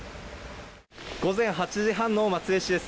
午前８時半の松江市です。